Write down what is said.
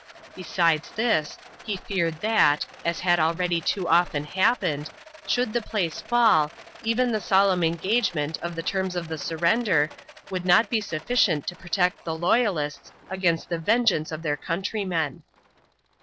Besides this, he feared that, as had already too often happened, should the place fall, even the solemn engagement of the terms of the surrender would not be sufficient to protect the loyalists against the vengeance of their countrymen.